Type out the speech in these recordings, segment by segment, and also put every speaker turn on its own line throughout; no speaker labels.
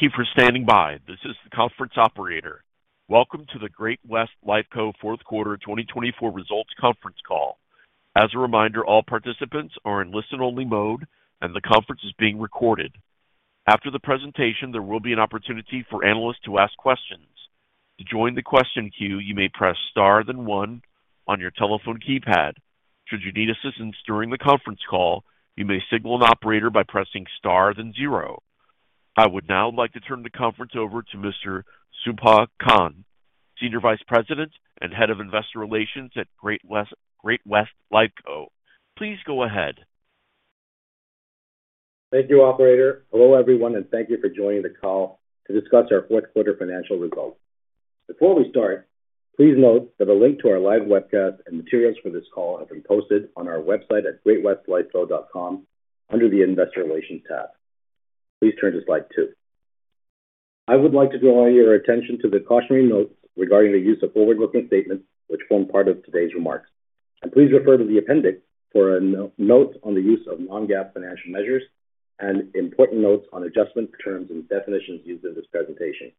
Thank you for standing by. This is the conference operator. Welcome to the Great-West Lifeco Fourth Quarter 2024 Results Conference Call. As a reminder, all participants are in listen-only mode, and the conference is being recorded. After the presentation, there will be an opportunity for analysts to ask questions. To join the question queue, you may press star then one on your telephone keypad. Should you need assistance during the conference call, you may signal an operator by pressing star then zero. I would now like to turn the conference over to Ms. Shubha Khan, Senior Vice President and Head of Investor Relations at Great-West Lifeco. Please go ahead.
Thank you, Operator. Hello everyone, and thank you for joining the call to discuss our fourth quarter financial results. Before we start, please note that a link to our live webcast and materials for this call have been posted on our website at greatwestlifeco.com under the Investor Relations tab. Please turn to slide two. I would like to draw your attention to the cautionary notes regarding the use of forward-looking statements, which form part of today's remarks, and please refer to the appendix for notes on the use of non-GAAP financial measures and important notes on adjustment terms and definitions used in this presentation.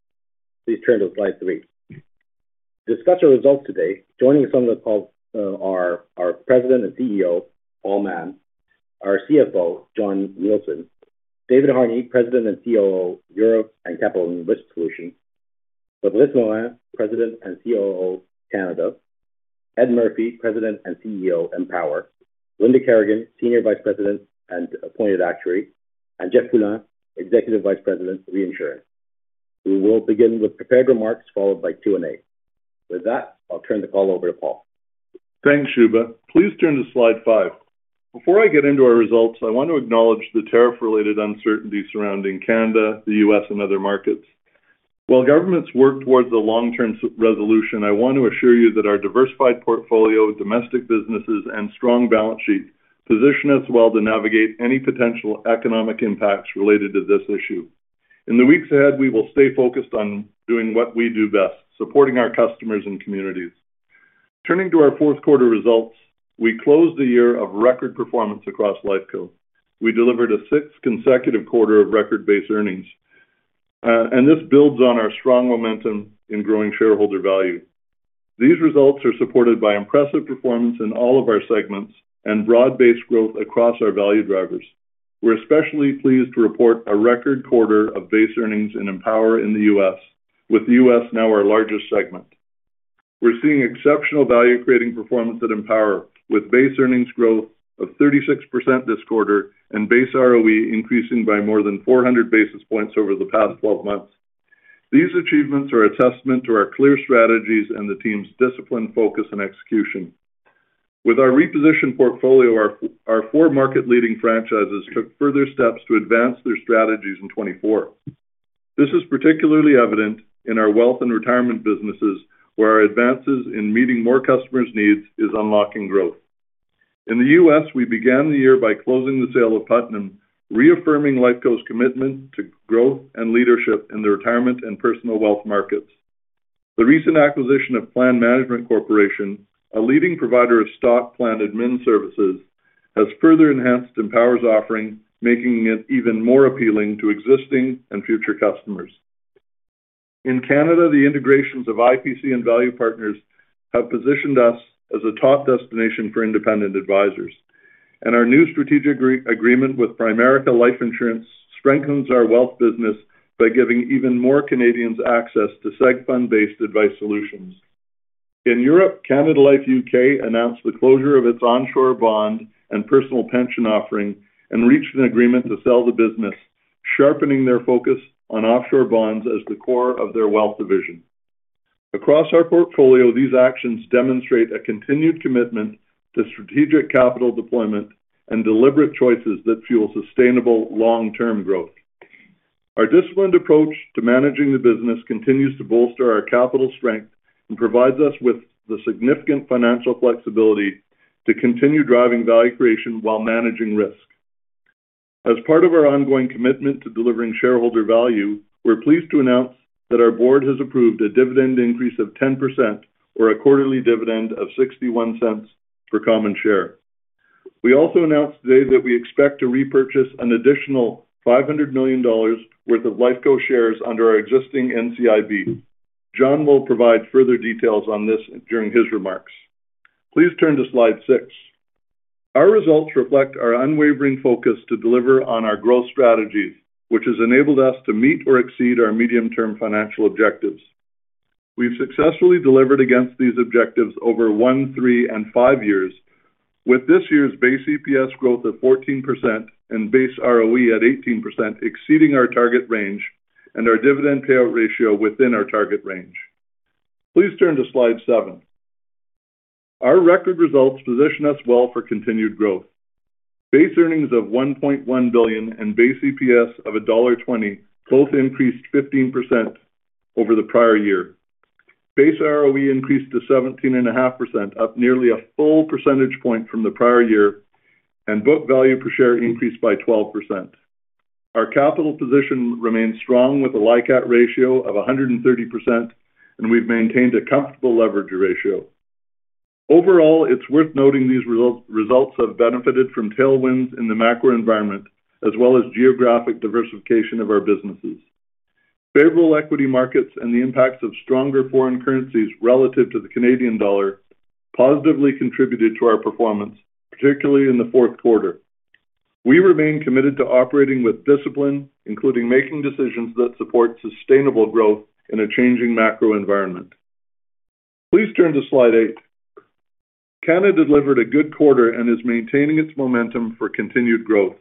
Please turn to slide three. To discuss our results today, joining us on the call are our President and CEO, Paul Mahon, our CFO, Jon Nielsen, David Harney, President and COO, Europe and Capital and Risk Solutions, Fabrice Morin, President and COO, Canada, Ed Murphy, President and CEO, Empower, Linda Kerrigan, Senior Vice President and Appointed Actuary, and Jeff Poulin, Executive Vice President, Reinsurance. We will begin with prepared remarks followed by Q&A. With that, I'll turn the call over to Paul.
Thanks, Shubha. Please turn to slide five. Before I get into our results, I want to acknowledge the tariff-related uncertainty surrounding Canada, the U.S., and other markets. While governments work towards a long-term resolution, I want to assure you that our diversified portfolio, domestic businesses, and strong balance sheet position us well to navigate any potential economic impacts related to this issue. In the weeks ahead, we will stay focused on doing what we do best: supporting our customers and communities. Turning to our fourth quarter results, we closed the year of record performance across Lifeco. We delivered a sixth consecutive quarter of record base earnings, and this builds on our strong momentum in growing shareholder value. These results are supported by impressive performance in all of our segments and broad-based growth across our value drivers. We're especially pleased to report a record quarter of base earnings in Empower in the U.S., with the U.S. now our largest segment. We're seeing exceptional value-creating performance at Empower, with base earnings growth of 36% this quarter and base ROE increasing by more than 400 basis points over the past 12 months. These achievements are a testament to our clear strategies and the team's discipline, focus, and execution. With our repositioned portfolio, our four market-leading franchises took further steps to advance their strategies in 2024. This is particularly evident in our wealth and retirement businesses, where our advances in meeting more customers' needs are unlocking growth. In the U.S., we began the year by closing the sale of Putnam, reaffirming Lifeco's commitment to growth and leadership in the retirement and Personal Wealth markets. The recent acquisition of Plan Management Corporation, a leading provider of stock plan admin services, has further enhanced Empower's offering, making it even more appealing to existing and future customers. In Canada, the integrations of IPC and Value Partners have positioned us as a top destination for independent advisors, and our new strategic agreement with Primerica Life Insurance strengthens our wealth business by giving even more Canadians access to seg fund-based advice solutions. In Europe, Canada Life U.K. announced the closure of its onshore bond and personal pension offering and reached an agreement to sell the business, sharpening their focus on offshore bonds as the core of their wealth division. Across our portfolio, these actions demonstrate a continued commitment to strategic capital deployment and deliberate choices that fuel sustainable long-term growth. Our disciplined approach to managing the business continues to bolster our capital strength and provides us with the significant financial flexibility to continue driving value creation while managing risk. As part of our ongoing commitment to delivering shareholder value, we're pleased to announce that our Board has approved a dividend increase of 10%, or a quarterly dividend of 0.61 per common share. We also announced today that we expect to repurchase an additional 500 million dollars worth of Lifeco shares under our existing NCIB. Jon will provide further details on this during his remarks. Please turn to slide six. Our results reflect our unwavering focus to deliver on our growth strategies, which has enabled us to meet or exceed our medium-term financial objectives. We've successfully delivered against these objectives over one, three, and five years, with this year's base EPS growth of 14% and base ROE at 18%, exceeding our target range and our dividend payout ratio within our target range. Please turn to slide seven. Our record results position us well for continued growth. Base earnings of 1.1 billion and base EPS of dollar 1.20 both increased 15% over the prior year. Base ROE increased to 17.5%, up nearly a full percentage point from the prior year, and book value per share increased by 12%. Our capital position remains strong with a LICAT ratio of 130%, and we've maintained a comfortable leverage ratio. Overall, it's worth noting these results have benefited from tailwinds in the macro environment, as well as geographic diversification of our businesses. Favorable equity markets and the impacts of stronger foreign currencies relative to the Canadian dollar positively contributed to our performance, particularly in the fourth quarter. We remain committed to operating with discipline, including making decisions that support sustainable growth in a changing macro environment. Please turn to slide eight. Canada delivered a good quarter and is maintaining its momentum for continued growth.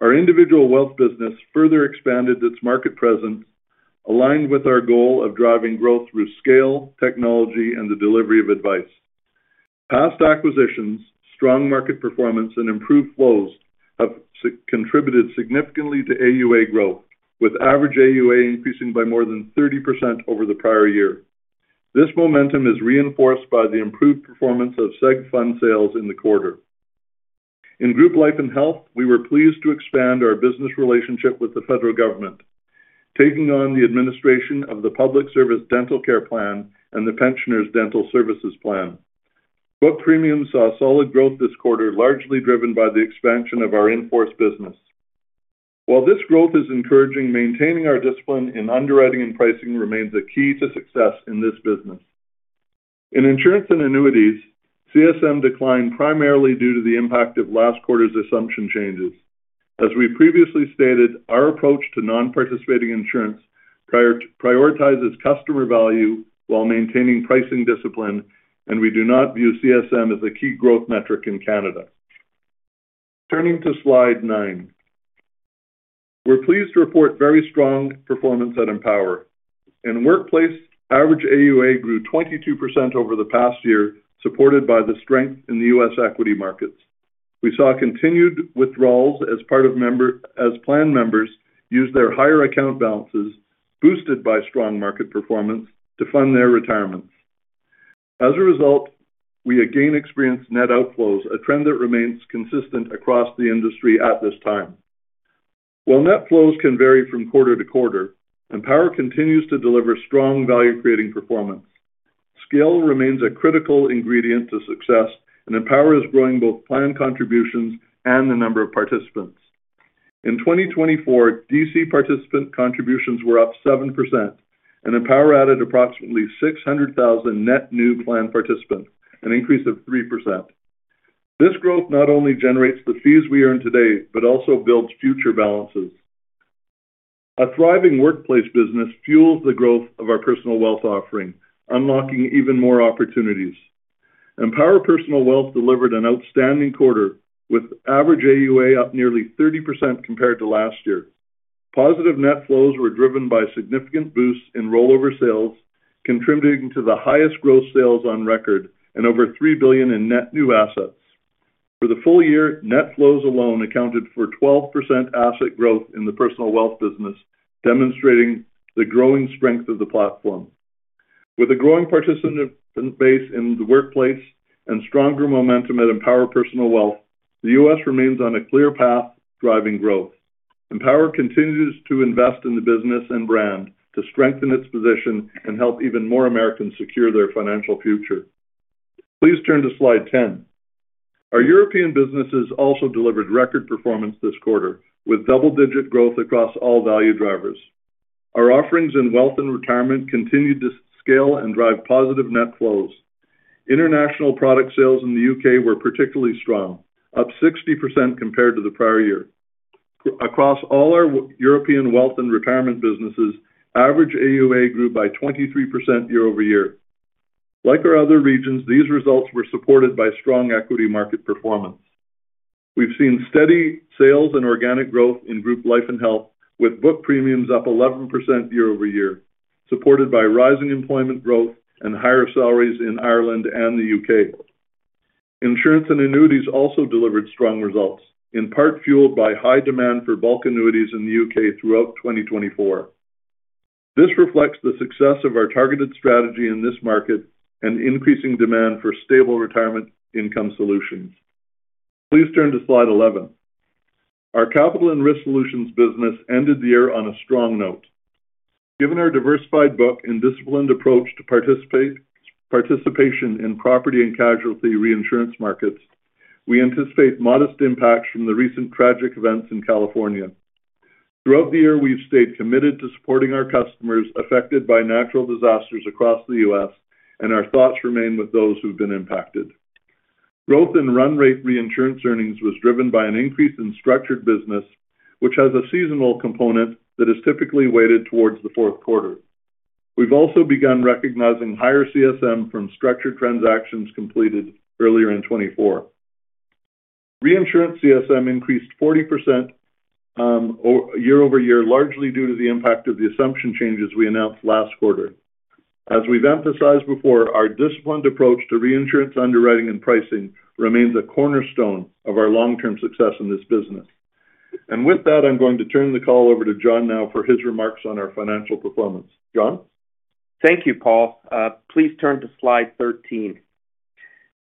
Our Individual wealth business further expanded its market presence, aligned with our goal of driving growth through scale, technology, and the delivery of advice. Past acquisitions, strong market performance, and improved flows have contributed significantly to AUA growth, with average AUA increasing by more than 30% over the prior year. This momentum is reinforced by the improved performance of seg fund sales in the quarter. In Group Life & Health, we were pleased to expand our business relationship with the federal government, taking on the administration of the Public Service Dental Care Plan and the Pensioners' Dental Services Plan. Book premiums saw solid growth this quarter, largely driven by the expansion of our in-force business. While this growth is encouraging, maintaining our discipline in underwriting and pricing remains a key to success in this business. In insurance and annuities, CSM declined primarily due to the impact of last quarter's assumption changes. As we previously stated, our approach to non-participating insurance prioritizes customer value while maintaining pricing discipline, and we do not view CSM as a key growth metric in Canada. Turning to slide nine, we're pleased to report very strong performance at Empower. In workplace, average AUA grew 22% over the past year, supported by the strength in the U.S. equity markets. We saw continued withdrawals as plan members used their higher account balances, boosted by strong market performance, to fund their retirements. As a result, we again experienced net outflows, a trend that remains consistent across the industry at this time. While net flows can vary from quarter-to-quarter, Empower continues to deliver strong value-creating performance. Scale remains a critical ingredient to success, and Empower is growing both plan contributions and the number of participants. In 2024, DC participant contributions were up 7%, and Empower added approximately 600,000 net new plan participants, an increase of 3%. This growth not only generates the fees we earn today, but also builds future balances. A thriving workplace business fuels the growth of our Personal Wealth offering, unlocking even more opportunities. Empower Personal Wealth delivered an outstanding quarter, with average AUA up nearly 30% compared to last year. Positive net flows were driven by significant boosts in rollover sales, contributing to the highest gross sales on record and over $3 billion in net new assets. For the full year, net flows alone accounted for 12% asset growth in the Personal Wealth business, demonstrating the growing strength of the platform. With a growing participant base in the workplace and stronger momentum at Empower Personal Wealth, the U.S. remains on a clear path driving growth. Empower continues to invest in the business and brand to strengthen its position and help even more Americans secure their financial future. Please turn to slide ten. Our European businesses also delivered record performance this quarter, with double-digit growth across all value drivers. Our offerings in wealth and retirement continued to scale and drive positive net flows. International product sales in the U.K. were particularly strong, up 60% compared to the prior year. Across all our European wealth and retirement businesses, average AUA grew by 23% year-over-year. Like our other regions, these results were supported by strong equity market performance. We've seen steady sales and organic growth in Group Life and Health, with book premiums up 11% year-over-year, supported by rising employment growth and higher salaries in Ireland and the U.K. Insurance and annuities also delivered strong results, in part fueled by high demand for bulk annuities in the U.K. throughout 2024. This reflects the success of our targeted strategy in this market and increasing demand for stable retirement income solutions. Please turn to slide 11. Our Capital and Risk Solutions business ended the year on a strong note. Given our diversified book and disciplined approach to participation in property and casualty reinsurance markets, we anticipate modest impacts from the recent tragic events in California. Throughout the year, we've stayed committed to supporting our customers affected by natural disasters across the U.S., and our thoughts remain with those who've been impacted. Growth in run-rate reinsurance earnings was driven by an increase in structured business, which has a seasonal component that is typically weighted towards the fourth quarter. We've also begun recognizing higher CSM from structured transactions completed earlier in 2024. Reinsurance CSM increased 40% year-over-year, largely due to the impact of the assumption changes we announced last quarter. As we've emphasized before, our disciplined approach to reinsurance underwriting and pricing remains a cornerstone of our long-term success in this business. And with that, I'm going to turn the call over to Jon now for his remarks on our financial performance. Jon?
Thank you, Paul. Please turn to slide 13.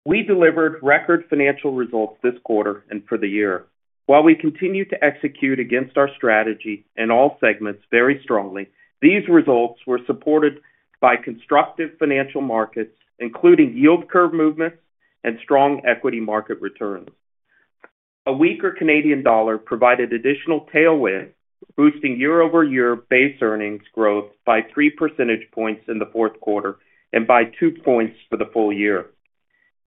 We delivered record financial results this quarter and for the year. While we continue to execute against our strategy in all segments very strongly, these results were supported by constructive financial markets, including yield curve movements and strong equity market returns. A weaker Canadian dollar provided additional tailwind, boosting year-over-year base earnings growth by three percentage points in the fourth quarter and by two points for the full year.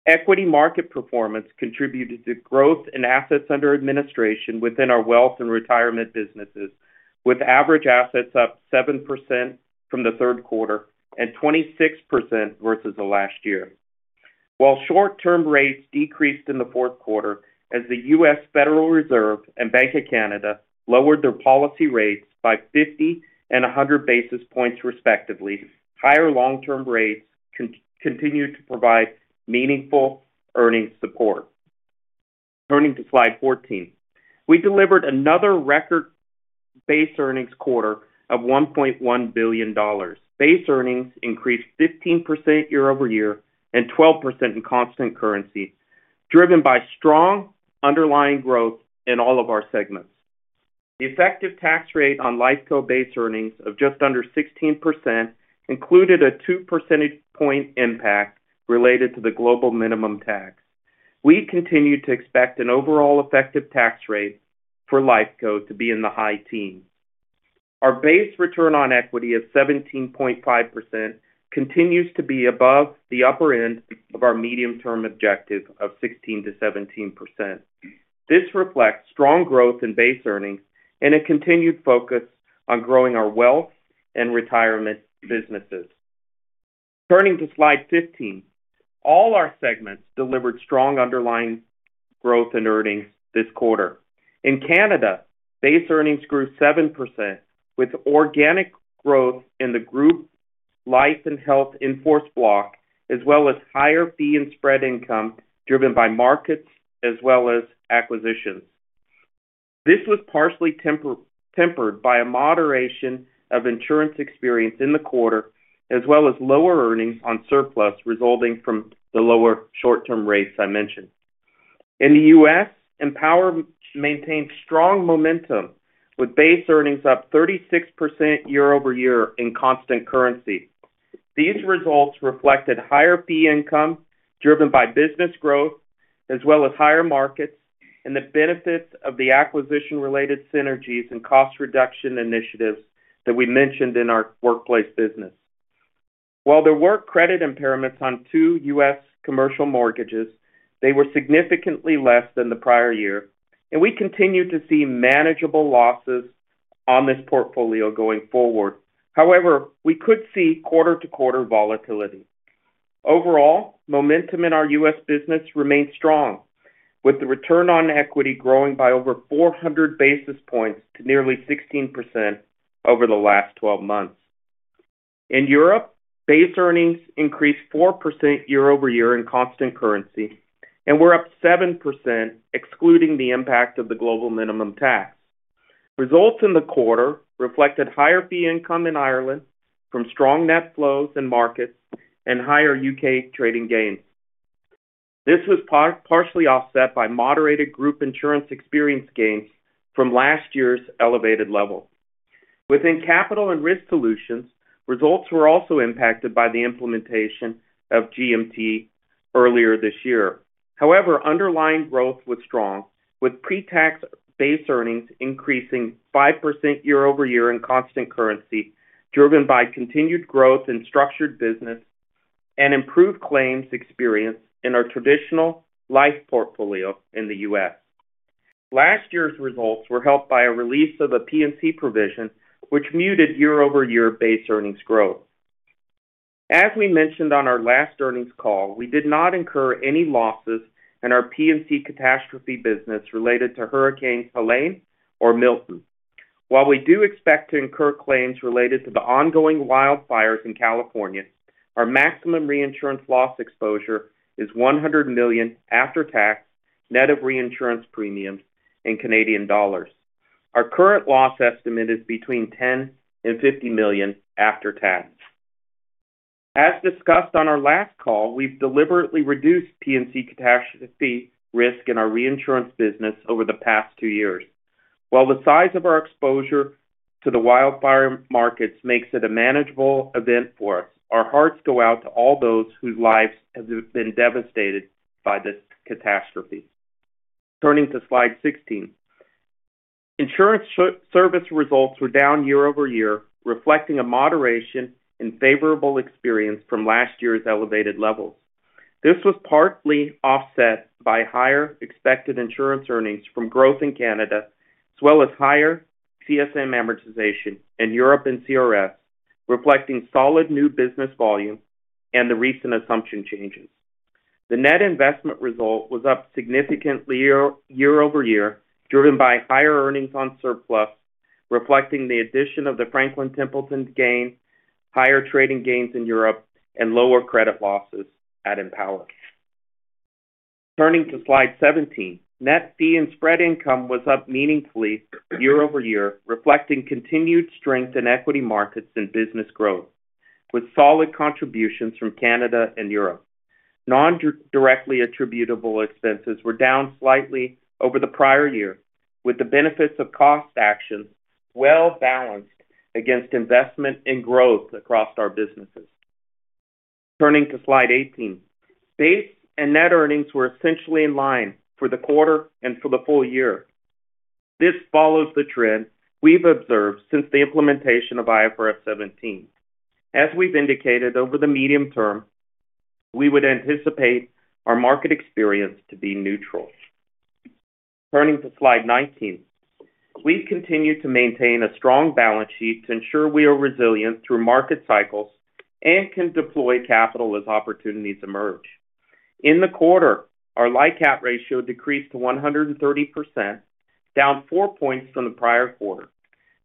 Equity market performance contributed to growth in assets under administration within our wealth and retirement businesses, with average assets up 7% from the third quarter and 26% versus the last year. While short-term rates decreased in the fourth quarter, as the U.S. Federal Reserve and Bank of Canada lowered their policy rates by 50 and 100 basis points respectively, higher long-term rates continued to provide meaningful earnings support. Turning to slide 14, we delivered another record base earnings quarter of 1.1 billion dollars. Base earnings increased 15% year-over-year and 12% in constant currency, driven by strong underlying growth in all of our segments. The effective tax rate on Lifeco base earnings of just under 16% included a two percentage point impact related to the global minimum tax. We continue to expect an overall effective tax rate for Lifeco to be in the high teens. Our base return on equity of 17.5% continues to be above the upper end of our medium-term objective of 16%-17%. This reflects strong growth in base earnings and a continued focus on growing our wealth and retirement businesses. Turning to slide 15, all our segments delivered strong underlying growth in earnings this quarter. In Canada, base earnings grew 7%, with organic growth in the Group Life and Health in-force block, as well as higher fee and spread income driven by markets as well as acquisitions. This was partially tempered by a moderation of insurance experience in the quarter, as well as lower earnings on surplus resulting from the lower short-term rates I mentioned. In the U.S., Empower maintained strong momentum, with base earnings up 36% year-over-year in constant currency. These results reflected higher fee income driven by business growth, as well as higher markets and the benefits of the acquisition-related synergies and cost reduction initiatives that we mentioned in our workplace business. While there were credit impairments on two U.S. commercial mortgages, they were significantly less than the prior year, and we continue to see manageable losses on this portfolio going forward. However, we could see quarter-to-quarter volatility. Overall, momentum in our U.S. business remained strong, with the return on equity growing by over 400 basis points to nearly 16% over the last 12 months. In Europe, base earnings increased 4% year-over-year in constant currency, and we're up 7%, excluding the impact of the Global Minimum Tax. Results in the quarter reflected higher fee income in Ireland from strong net flows and markets and higher U.K. trading gains. This was partially offset by moderated group insurance experience gains from last year's elevated level. Within Capital and Risk Solutions, results were also impacted by the implementation of GMT earlier this year. However, underlying growth was strong, with pre-tax base earnings increasing 5% year-over-year in constant currency, driven by continued growth in structured business and improved claims experience in our traditional life portfolio in the U.S. Last year's results were helped by a release of a P&C provision, which muted year-over-year base earnings growth. As we mentioned on our last earnings call, we did not incur any losses in our P&C Catastrophe business related to Hurricane Helene or Milton. While we do expect to incur claims related to the ongoing wildfires in California, our maximum reinsurance loss exposure is 100 million after tax, net of reinsurance premiums in Canadian dollars. Our current loss estimate is between 10 million and 50 million after tax. As discussed on our last call, we've deliberately reduced P&C Catastrophe Risk in our reinsurance business over the past two years. While the size of our exposure to the wildfire markets makes it a manageable event for us, our hearts go out to all those whose lives have been devastated by this catastrophe. Turning to slide 16, insurance service results were down year-over-year, reflecting a moderation in favorable experience from last year's elevated levels. This was partly offset by higher expected insurance earnings from growth in Canada, as well as higher CSM amortization in Europe and CRS, reflecting solid new business volume and the recent assumption changes. The net investment result was up significantly year over year, driven by higher earnings on surplus, reflecting the addition of the Franklin Templeton gain, higher trading gains in Europe, and lower credit losses at Empower. Turning to slide 17, net fee and spread income was up meaningfully year-over-year, reflecting continued strength in equity markets and business growth, with solid contributions from Canada and Europe. Non-directly attributable expenses were down slightly over the prior year, with the benefits of cost actions well balanced against investment and growth across our businesses. Turning to slide 18, base and net earnings were essentially in line for the quarter and for the full year. This follows the trend we've observed since the implementation of IFRS 17. As we've indicated, over the medium-term, we would anticipate our market experience to be neutral. Turning to slide 19, we've continued to maintain a strong balance sheet to ensure we are resilient through market cycles and can deploy capital as opportunities emerge. In the quarter, our LICAT ratio decreased to 130%, down 4 points from the prior quarter.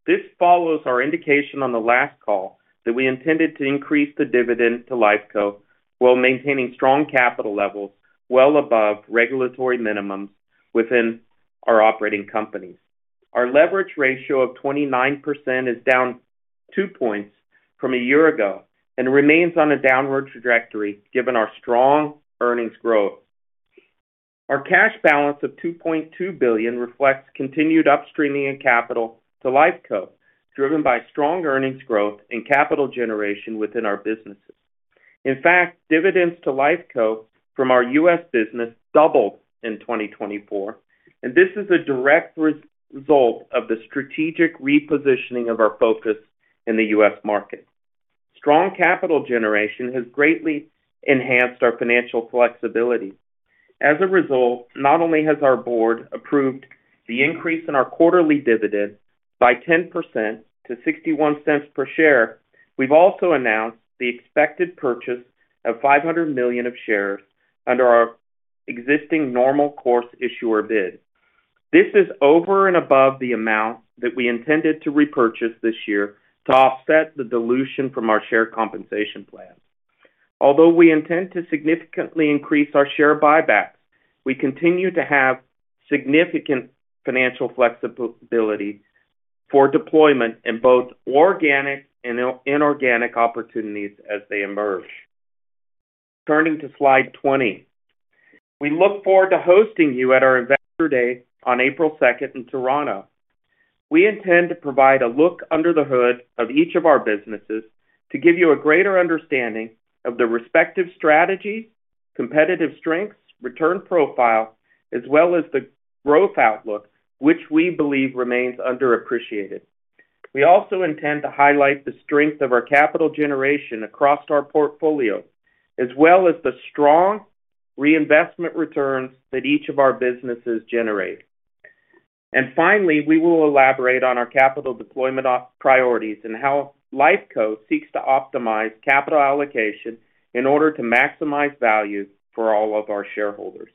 This follows our indication on the last call that we intended to increase the dividend to Lifeco while maintaining strong capital levels well above regulatory minimums within our operating companies. Our leverage ratio of 29% is down 2 points from a year ago and remains on a downward trajectory given our strong earnings growth. Our cash balance of 2.2 billion reflects continued upstreaming of capital to Lifeco, driven by strong earnings growth and capital generation within our businesses. In fact, dividends to Lifeco from our U.S. business doubled in 2024, and this is a direct result of the strategic repositioning of our focus in the U.S. market. Strong capital generation has greatly enhanced our financial flexibility. As a result, not only has our Board approved the increase in our quarterly dividend by 10% to 0.61 per share, we've also announced the expected purchase of 500 million of shares under our existing normal course issuer bid. This is over and above the amount that we intended to repurchase this year to offset the dilution from our share compensation plan. Although we intend to significantly increase our share buybacks, we continue to have significant financial flexibility for deployment in both organic and inorganic opportunities as they emerge. Turning to slide 20, we look forward to hosting you at our Investor Day on April 2nd in Toronto. We intend to provide a look under the hood of each of our businesses to give you a greater understanding of the respective strategies, competitive strengths, return profile, as well as the growth outlook, which we believe remains underappreciated. We also intend to highlight the strength of our capital generation across our portfolio, as well as the strong reinvestment returns that each of our businesses generate, and finally, we will elaborate on our capital deployment priorities and how Lifeco seeks to optimize capital allocation in order to maximize value for all of our shareholders.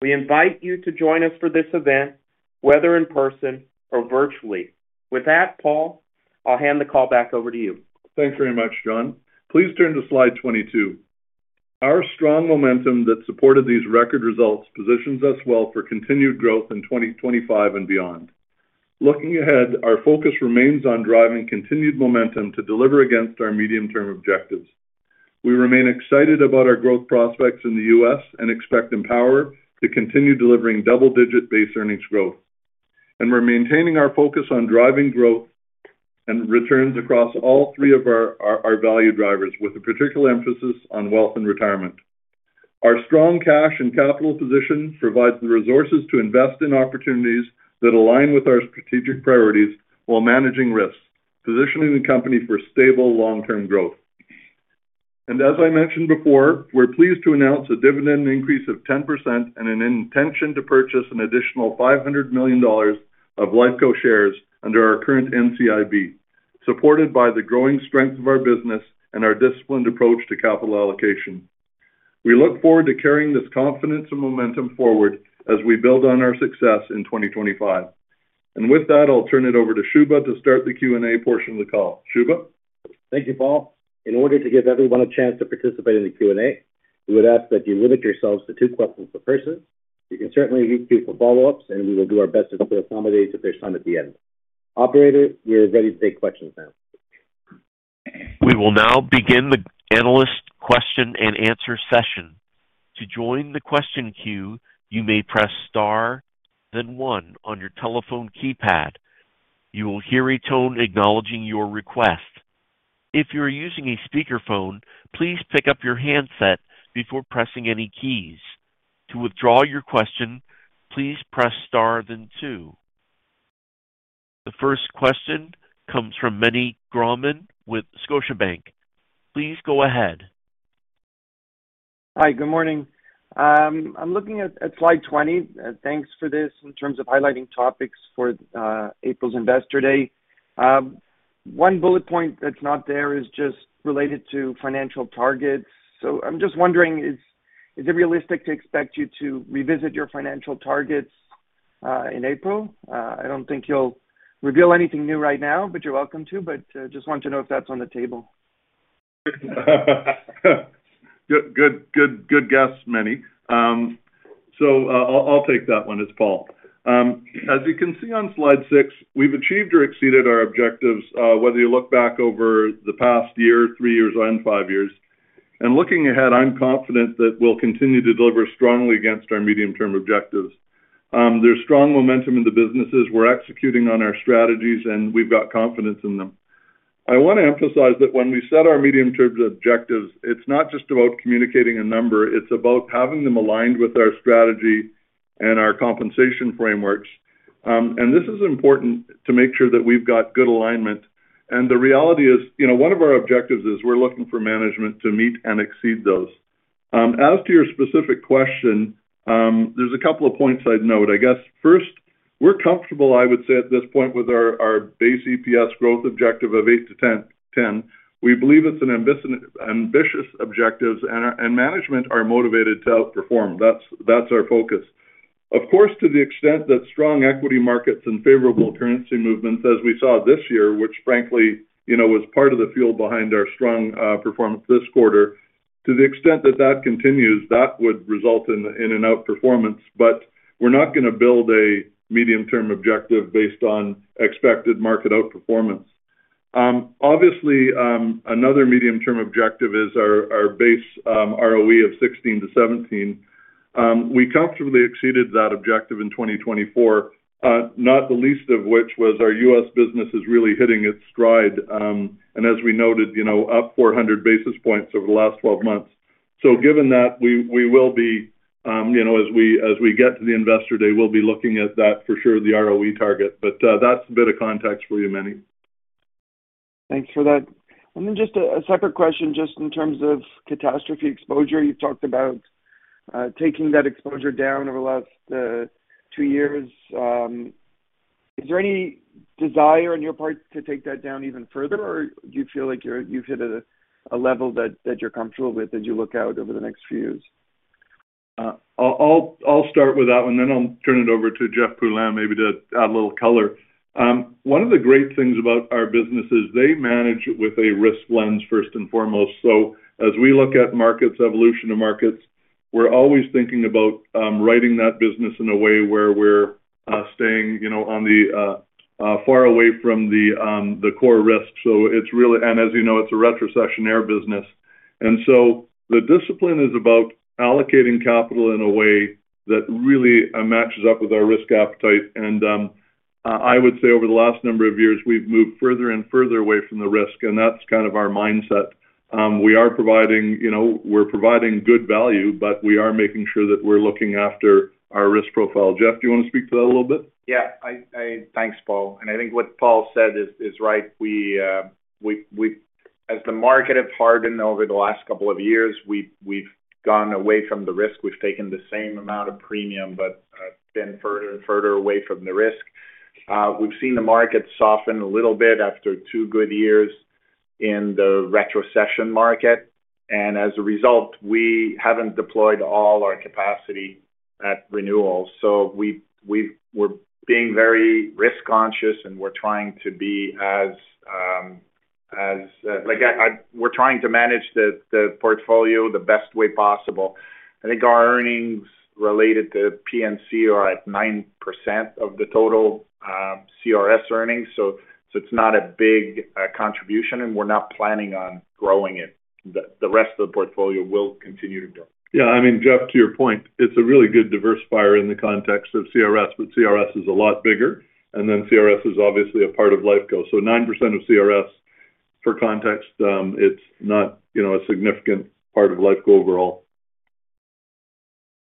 We invite you to join us for this event, whether in person or virtually. With that, Paul, I'll hand the call back over to you.
Thanks very much, Jon. Please turn to slide 22. Our strong momentum that supported these record results positions us well for continued growth in 2025 and beyond. Looking ahead, our focus remains on driving continued momentum to deliver against our medium-term objectives. We remain excited about our growth prospects in the U.S. and expect Empower to continue delivering double-digit base earnings growth. And we're maintaining our focus on driving growth and returns across all three of our value drivers, with a particular emphasis on wealth and retirement. Our strong cash and capital position provides the resources to invest in opportunities that align with our strategic priorities while managing risks, positioning the company for stable long-term growth. As I mentioned before, we're pleased to announce a dividend increase of 10% and an intention to purchase an additional 500 million dollars of Lifeco shares under our current NCIB, supported by the growing strength of our business and our disciplined approach to capital allocation. We look forward to carrying this confidence and momentum forward as we build on our success in 2025. With that, I'll turn it over to Shubha to start the Q&A portion of the call. Shubha?
Thank you, Paul. In order to give everyone a chance to participate in the Q&A, we would ask that you limit yourselves to two questions per person. You can certainly reach out to us for follow-ups, and we will do our best to accommodate you at the end. Operator, we're ready to take questions now.
We will now begin the analyst question and answer session. To join the question queue, you may press star, then one on your telephone keypad. You will hear a tone acknowledging your request. If you're using a speakerphone, please pick up your handset before pressing any keys. To withdraw your question, please press star, then two. The first question comes from Meny Grauman with Scotiabank. Please go ahead.
Hi, good morning. I'm looking at slide 20. Thanks for this in terms of highlighting topics for April's Investor Day. One bullet point that's not there is just related to financial targets. So I'm just wondering, is it realistic to expect you to revisit your financial targets in April? I don't think you'll reveal anything new right now, but you're welcome to. But I just want to know if that's on the table.
Good guess, Meny. So I'll take that one as Paul. As you can see on slide six, we've achieved or exceeded our objectives, whether you look back over the past year, three years, or five years. And looking ahead, I'm confident that we'll continue to deliver strongly against our medium-term objectives. There's strong momentum in the businesses. We're executing on our strategies, and we've got confidence in them. I want to emphasize that when we set our medium-term objectives, it's not just about communicating a number. It's about having them aligned with our strategy and our compensation frameworks. And this is important to make sure that we've got good alignment. And the reality is, one of our objectives is we're looking for management to meet and exceed those. As to your specific question, there's a couple of points I'd note. I guess, first, we're comfortable, I would say, at this point with our base EPS growth objective of 8%-10%. We believe it's an ambitious objective, and management are motivated to outperform. That's our focus. Of course, to the extent that strong equity markets and favorable currency movements, as we saw this year, which frankly was part of the fuel behind our strong performance this quarter, to the extent that that continues, that would result in an outperformance. But we're not going to build a medium-term objective based on expected market outperformance. Obviously, another medium-term objective is our base ROE of 16%-17%. We comfortably exceeded that objective in 2024, not the least of which was our U.S. business is really hitting its stride. And as we noted, up 400 basis points over the last 12 months. So given that, we will be, as we get to the Investor Day, we'll be looking at that for sure, the ROE target. But that's a bit of context for you, Meny.
Thanks for that, and then just a separate question, just in terms of catastrophe exposure. You've talked about taking that exposure down over the last two years. Is there any desire on your part to take that down even further, or do you feel like you've hit a level that you're comfortable with as you look out over the next few years?
I'll start with that one. Then I'll turn it over to Jeff Poulin, maybe to add a little color. One of the great things about our business is they manage with a risk lens, first and foremost. So as we look at markets, evolution of markets, we're always thinking about writing that business in a way where we're staying far away from the core risk. And as you know, it's a retrocessionaire business. And so the discipline is about allocating capital in a way that really matches up with our risk appetite. And I would say over the last number of years, we've moved further and further away from the risk, and that's kind of our mindset. We are providing good value, but we are making sure that we're looking after our risk profile. Jeff, do you want to speak to that a little bit?
Yeah. Thanks, Paul, and I think what Paul said is right. As the market has hardened over the last couple of years, we've gone away from the risk. We've taken the same amount of premium, but been further and further away from the risk. We've seen the market soften a little bit after two good years in the retrocession market, and as a result, we haven't deployed all our capacity at renewal, so we're being very risk-conscious, and we're trying to be as we're trying to manage the portfolio the best way possible. I think our earnings related to P&C are at 9% of the total CRS earnings, so it's not a big contribution, and we're not planning on growing it. The rest of the portfolio will continue to grow.
Yeah. I mean, Jeff, to your point, it's a really good diversifier in the context of CRS, but CRS is a lot bigger. And then CRS is obviously a part of Lifeco. So 9% of CRS, for context, it's not a significant part of Lifeco overall.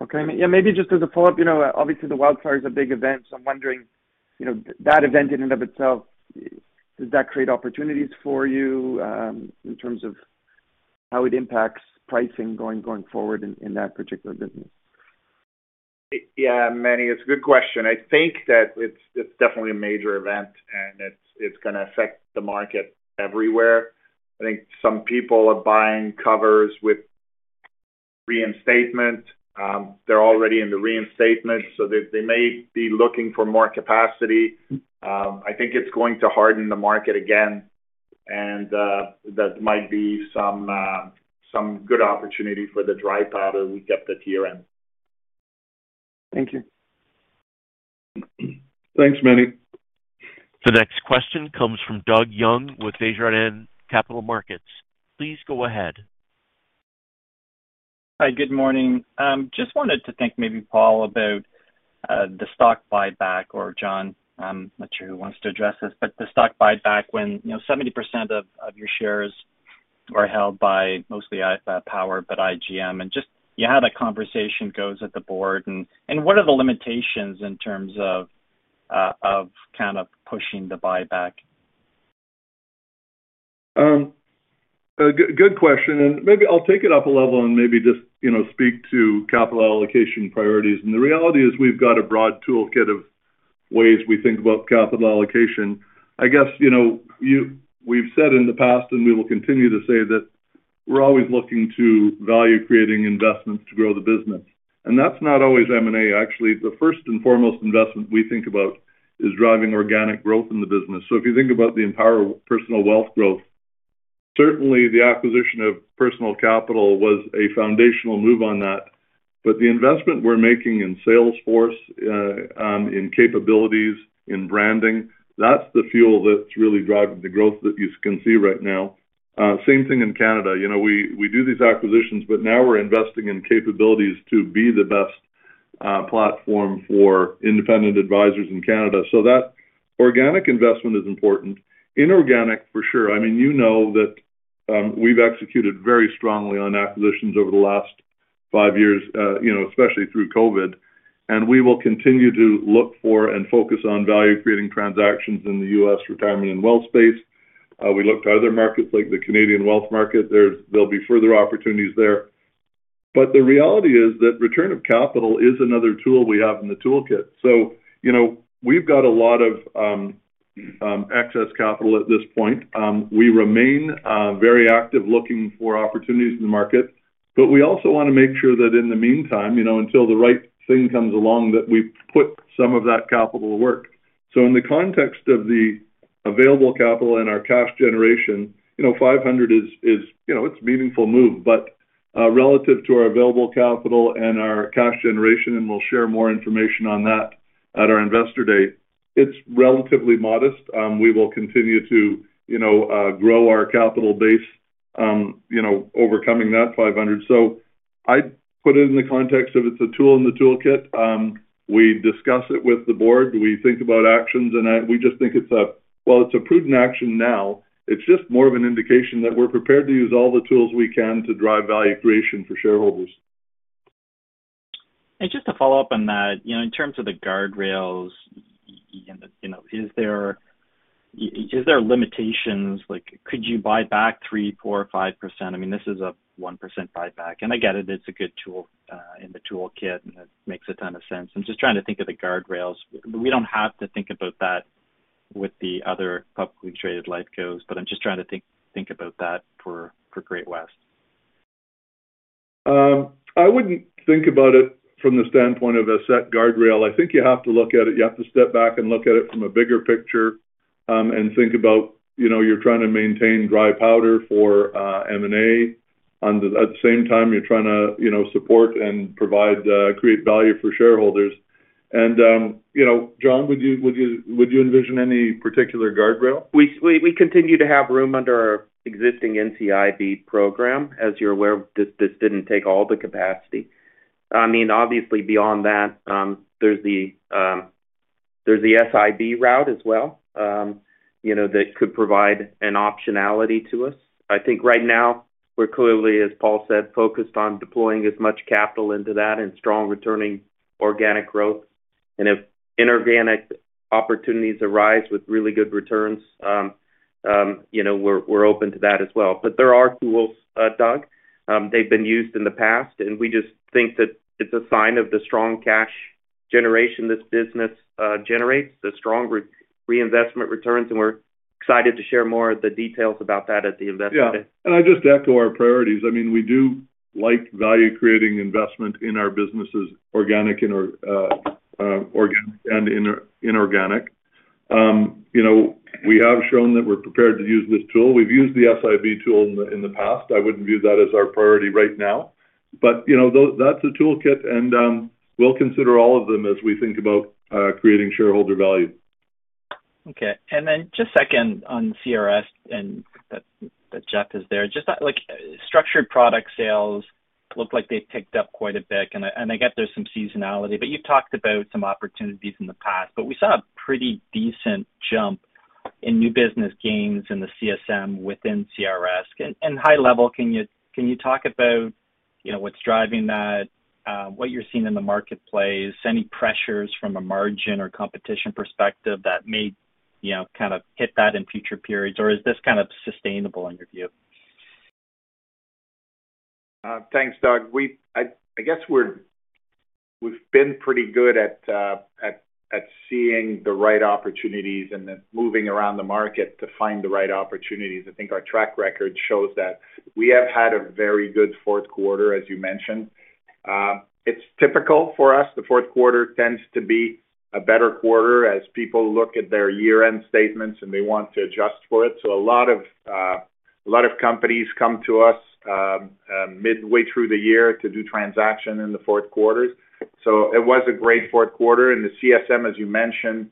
Okay. Yeah. Maybe just as a follow-up, obviously, the wildfire is a big event. So I'm wondering, that event in and of itself, does that create opportunities for you in terms of how it impacts pricing going forward in that particular business?
Yeah, Meny, it's a good question. I think that it's definitely a major event, and it's going to affect the market everywhere. I think some people are buying covers with reinstatement. They're already in the reinstatement, so they may be looking for more capacity. I think it's going to harden the market again, and that might be some good opportunity for the dry powder we kept at year-end.
Thank you.
Thanks, Meny.
The next question comes from Doug Young with Desjardins Capital Markets. Please go ahead.
Hi, good morning. Just wanted to thank maybe Paul about the stock buyback, or Jon. I'm not sure who wants to address this, but the stock buyback when 70% of your shares are held by mostly Power, but IGM. Just how that conversation goes at the Board, and what are the limitations in terms of kind of pushing the buyback?
Good question. And maybe I'll take it up a level and maybe just speak to capital allocation priorities. And the reality is we've got a broad toolkit of ways we think about capital allocation. I guess we've said in the past, and we will continue to say that we're always looking to value-creating investments to grow the business. And that's not always M&A. Actually, the first and foremost investment we think about is driving organic growth in the business. So if you think about the Empower Personal Wealth growth, certainly the acquisition of Personal Capital was a foundational move on that. But the investment we're making in sales force, in capabilities, in branding, that's the fuel that's really driving the growth that you can see right now. Same thing in Canada. We do these acquisitions, but now we're investing in capabilities to be the best platform for independent advisors in Canada. So that organic investment is important. Inorganic, for sure. I mean, you know that we've executed very strongly on acquisitions over the last five years, especially through COVID. And we will continue to look for and focus on value-creating transactions in the U.S. retirement and wealth space. We looked at other markets like the Canadian wealth market. There'll be further opportunities there. But the reality is that return of capital is another tool we have in the toolkit. So we've got a lot of excess capital at this point. We remain very active looking for opportunities in the market. But we also want to make sure that in the meantime, until the right thing comes along, that we put some of that capital to work. So in the context of the available capital and our cash generation, 500 million. It's a meaningful move. But relative to our available capital and our cash generation, and we'll share more information on that at our Investor Day, it's relatively modest. We will continue to grow our capital base, overcoming that 500 million. So I put it in the context of it's a tool in the toolkit. We discuss it with the Board. We think about actions. And we just think it's a, well, it's a prudent action now. It's just more of an indication that we're prepared to use all the tools we can to drive value creation for shareholders.
Just to follow up on that, in terms of the guardrails, is there limitations? Could you buy back 3%, 4%, 5%? I mean, this is a 1% buyback. And I get it. It's a good tool in the toolkit, and it makes a ton of sense. I'm just trying to think of the guardrails. We don't have to think about that with the other publicly traded Lifeco's, but I'm just trying to think about that for Great-West.
I wouldn't think about it from the standpoint of a set guardrail. I think you have to look at it. You have to step back and look at it from a bigger picture and think about you're trying to maintain dry powder for M&A. At the same time, you're trying to support and create value for shareholders, and Jon, would you envision any particular guardrail?
We continue to have room under our existing NCIB program. As you're aware, this didn't take all the capacity. I mean, obviously, beyond that, there's the SIB route as well that could provide an optionality to us. I think right now, we're clearly, as Paul said, focused on deploying as much capital into that and strong returning organic growth. And if inorganic opportunities arise with really good returns, we're open to that as well. But there are tools, Doug. They've been used in the past. And we just think that it's a sign of the strong cash generation this business generates, the strong reinvestment returns. And we're excited to share more of the details about that at the Investor Day.
Yeah. And I just echo our priorities. I mean, we do like value-creating investment in our businesses, organic and inorganic. We have shown that we're prepared to use this tool. We've used the SIB tool in the past. I wouldn't view that as our priority right now. But that's a toolkit, and we'll consider all of them as we think about creating shareholder value.
Okay. And then just second on CRS, and Jeff is there. Just structured product sales look like they picked up quite a bit. And I get there's some seasonality. But you've talked about some opportunities in the past. But we saw a pretty decent jump in new business gains in the CSM within CRS. And high level, can you talk about what's driving that, what you're seeing in the marketplace, any pressures from a margin or competition perspective that may kind of hit that in future periods? Or is this kind of sustainable in your view?
Thanks, Doug. I guess we've been pretty good at seeing the right opportunities and moving around the market to find the right opportunities. I think our track record shows that. We have had a very good fourth quarter, as you mentioned. It's typical for us. The fourth quarter tends to be a better quarter as people look at their year-end statements, and they want to adjust for it. So a lot of companies come to us midway through the year to do transaction in the fourth quarter. So it was a great fourth quarter. And the CSM, as you mentioned,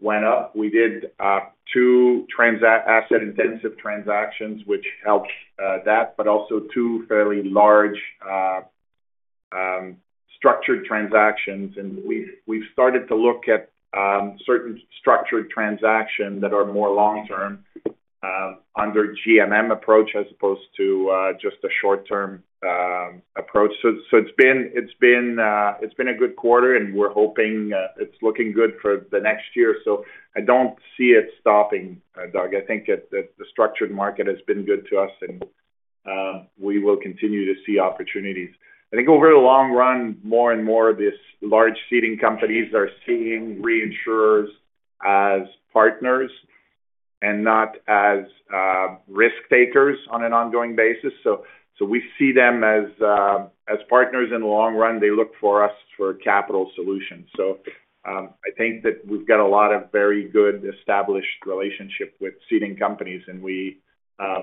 went up. We did two asset-intensive transactions, which helped that, but also two fairly large structured transactions. And we've started to look at certain structured transactions that are more long-term under GMM approach as opposed to just a short-term approach. It's been a good quarter, and we're hoping it's looking good for the next year. I don't see it stopping, Doug. I think that the structured market has been good to us, and we will continue to see opportunities. I think over the long run, more and more of these large ceding companies are seeing reinsurers as partners and not as risk takers on an ongoing basis. We see them as partners in the long run. They look for us for capital solutions. I think that we've got a lot of very good established relationships with ceding companies, and we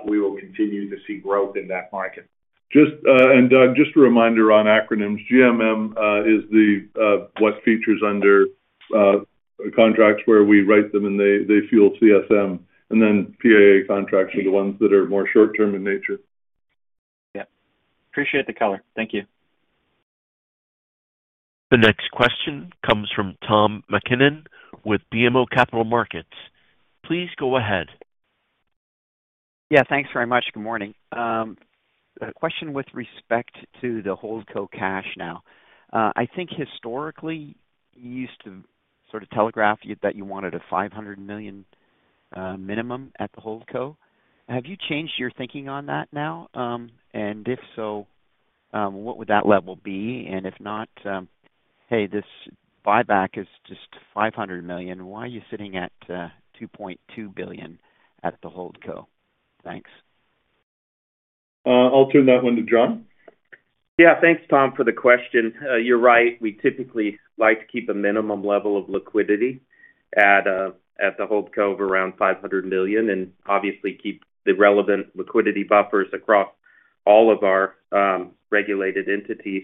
will continue to see growth in that market.
And Doug, just a reminder on acronyms. GMM is what features under contracts where we write them, and they fuel CSM. And then PAA contracts are the ones that are more short-term in nature.
Yeah. Appreciate the color. Thank you.
The next question comes from Tom McKinnon with BMO Capital Markets. Please go ahead.
Yeah. Thanks very much. Good morning. A question with respect to the Holdco cash now. I think historically, you used to sort of telegraph that you wanted a 500 million minimum at the Holdco. Have you changed your thinking on that now? And if so, what would that level be? And if not, hey, this buyback is just 500 million. Why are you sitting at 2.2 billion at the Holdco? Thanks.
I'll turn that one to Jon.
Yeah. Thanks, Tom, for the question. You're right. We typically like to keep a minimum level of liquidity at the Holdco of around 500 million and obviously keep the relevant liquidity buffers across all of our regulated entities.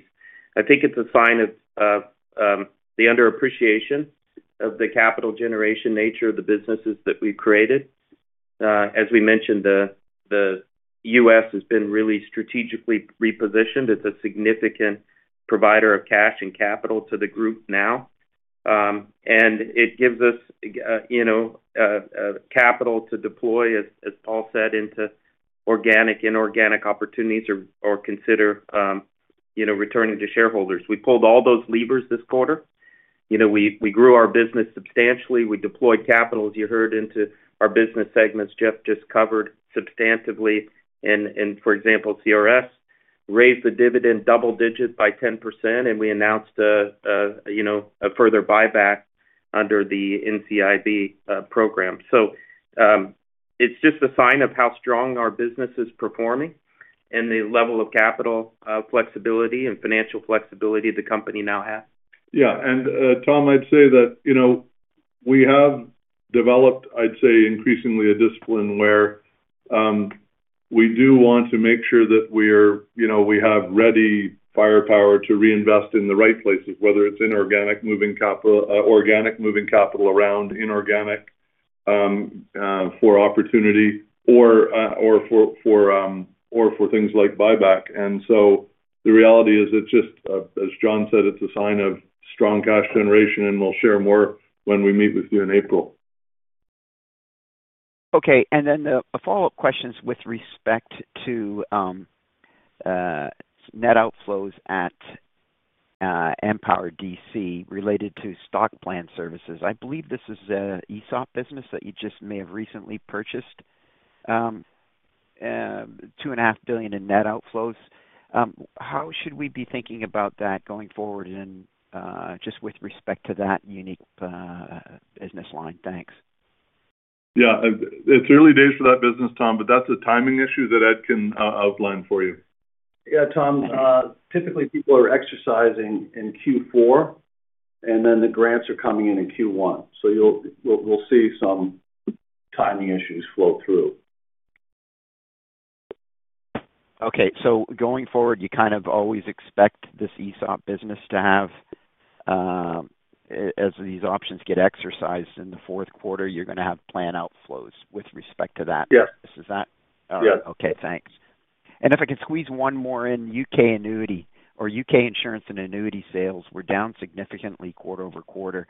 I think it's a sign of the underappreciation of the capital generation nature of the businesses that we've created. As we mentioned, the U.S. has been really strategically repositioned. It's a significant provider of cash and capital to the group now, and it gives us capital to deploy, as Paul said, into organic, inorganic opportunities or consider returning to shareholders. We pulled all those levers this quarter. We grew our business substantially. We deployed capital, as you heard, into our business segments. Jeff just covered substantively, and for example, CRS raised the dividend double-digit by 10%, and we announced a further buyback under the NCIB program. So it's just a sign of how strong our business is performing and the level of capital flexibility and financial flexibility the company now has.
Yeah. And Tom, I'd say that we have developed, I'd say, increasingly a discipline where we do want to make sure that we have ready firepower to reinvest in the right places, whether it's organic moving capital around, inorganic for opportunity, or for things like buyback. And so the reality is, as Jon said, it's a sign of strong cash generation, and we'll share more when we meet with you in April.
Okay. And then a follow-up question with respect to net outflows at Empower DC related to stock plan services. I believe this is an ESOP business that you just may have recently purchased, $2.5 billion in net outflows. How should we be thinking about that going forward and just with respect to that unique business line? Thanks.
Yeah. It's early days for that business, Tom, but that's a timing issue that Ed can outline for you.
Yeah, Tom. Typically, people are exercising in Q4, and then the grants are coming in in Q1. So we'll see some timing issues flow through.
Okay. Going forward, you kind of always expect this ESOP business to have, as these options get exercised in the fourth quarter, you're going to have plan outflows with respect to that.
Yes.
Is that?
Yes.
Okay. Thanks. And if I can squeeze one more in, U.K. annuity or U.K. insurance and annuity sales, we're down significantly quarter-over-quarter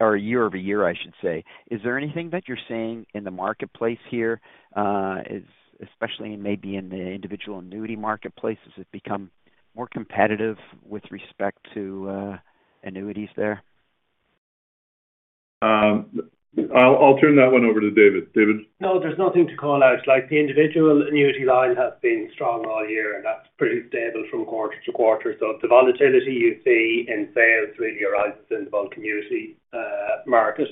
or year-over-year, I should say. Is there anything that you're seeing in the marketplace here, especially maybe in the individual annuity marketplace? Has it become more competitive with respect to annuities there?
I'll turn that one over to David. David.
No, there's nothing to call out. The individual Annuity line has been strong all year, and that's pretty stable from quarter-to-quarter. So the volatility you see in sales really arises in the bulk annuity market.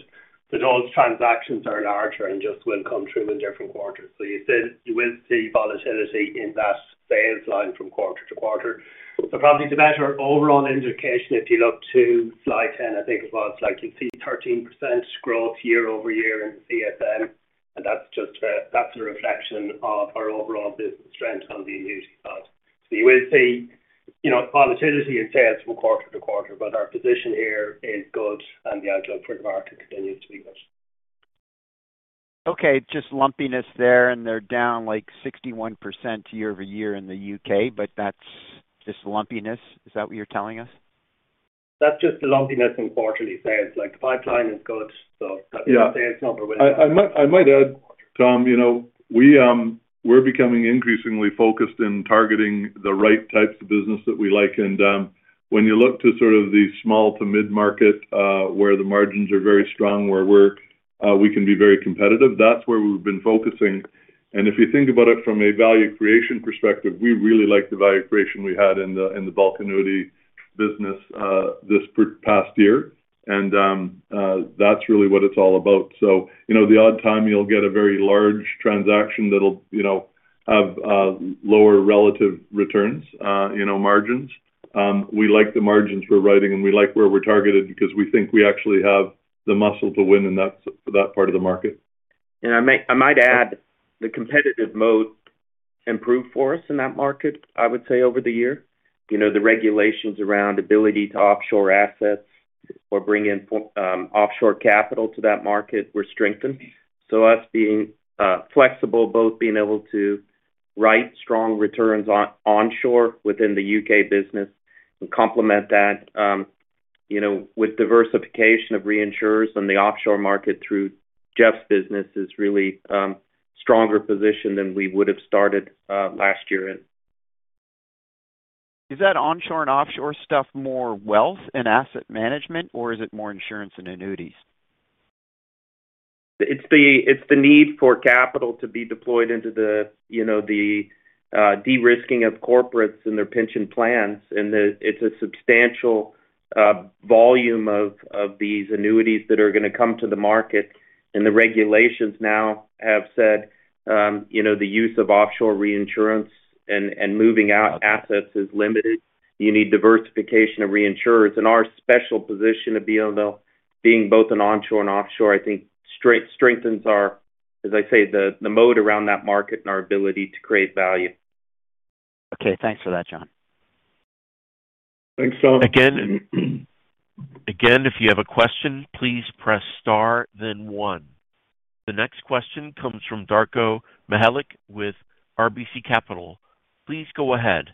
But those transactions are larger and just will come through in different quarters. So you will see volatility in that sales line from quarter-to-quarter. So probably the better overall indication, if you look to slide 10, I think it was, you'll see 13% growth year-over-year in the CSM. And that's a reflection of our overall business strength on the annuity side. So you will see volatility in sales from quarter-to-quarter, but our position here is good, and the outlook for the market continues to be good.
Okay. Just lumpiness there, and they're down like 61% year-over-year in the U.K., but that's just lumpiness. Is that what you're telling us?
That's just the lumpiness in quarterly sales. The pipeline is good, so that's the sales number.
I might add, Tom, we're becoming increasingly focused in targeting the right types of business that we like. And when you look to sort of the small to mid-market where the margins are very strong, where we can be very competitive, that's where we've been focusing. And if you think about it from a value creation perspective, we really like the value creation we had in the bulk annuity business this past year. And that's really what it's all about. So the odd time you'll get a very large transaction that'll have lower relative returns, margins. We like the margins we're writing, and we like where we're targeted because we think we actually have the muscle to win in that part of the market.
And I might add the competitive moat improved for us in that market, I would say, over the year. The regulations around ability to offshore assets or bring in offshore capital to that market were strengthened. So us being flexible, both being able to write strong returns onshore within the U.K. business and complement that with diversification of reinsurers on the offshore market through Jeff's business is really a stronger position than we would have started last year in.
Is that onshore and offshore stuff more Wealth and asset management, or is it more Insurance and Annuities?
It's the need for capital to be deployed into the de-risking of corporates and their pension plans. And it's a substantial volume of these annuities that are going to come to the market. And the regulations now have said the use of offshore reinsurance and moving out assets is limited. You need diversification of reinsurers. And our special position of being both an onshore and offshore, I think, strengthens our, as I say, the mote around that market and our ability to create value.
Okay. Thanks for that, Jon.
Thanks, Tom.
Again, if you have a question, please press star, then one. The next question comes from Darko Mihelic with RBC Capital Markets. Please go ahead.